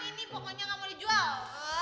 mini pokoknya gak mau dijual